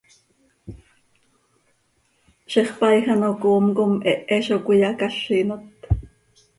Ziix paaij ano coom com hehe zo cöiyacázinot.